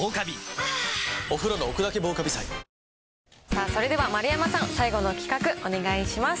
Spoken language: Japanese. さあ、それでは丸山さん、最後の企画、お願いします。